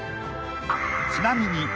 ［ちなみに］